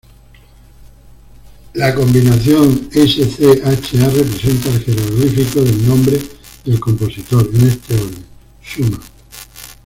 La combinación S-C-H-A representa el jeroglífico del nombre del compositor en este orden Schumann.